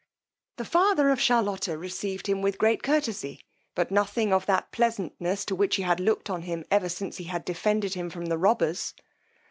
The father of Charlotta received him with great courtesy, but nothing of that pleasantness with which he had looked on him ever since he had defended him from the robbers.